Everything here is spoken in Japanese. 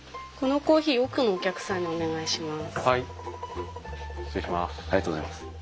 このコーヒー奥のお客さんにお願いします。